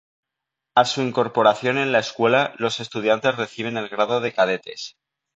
A su incorporación en la escuela, los estudiantes reciben el grado de cadetes.